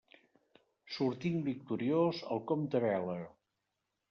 Sortint victoriós el Comte Vela.